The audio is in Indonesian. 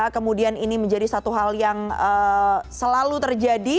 kemudian ini menjadi satu hal yang selalu terjadi